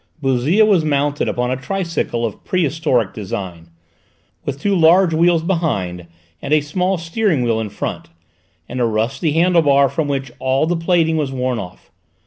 Bouzille was mounted upon a tricycle of prehistoric design, with two large wheels behind and a small steering wheel in front, and a rusty handle bar from which all the plating was worn off.